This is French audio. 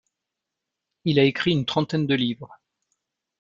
Il a écrit une trentaine de livres.